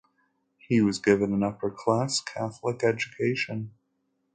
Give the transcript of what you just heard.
He was given an upper-class Catholic education.